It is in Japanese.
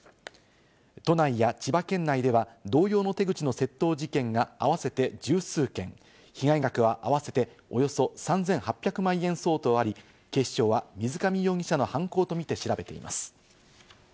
都内や千葉県内では同様の手口の窃盗事件が合わせて十数件、被害額は合わせておよそ３８００万円相当あり、警視庁は水上容疑者の犯行とみて調べています。